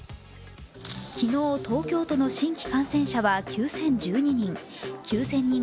昨日、東京都の新規感染者は９０１２人。